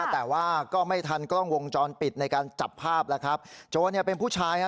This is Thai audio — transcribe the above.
แต่ว่าก็ไม่ทันกล้องวงจรปิดในการจับภาพแล้วครับโจรเนี่ยเป็นผู้ชายฮะ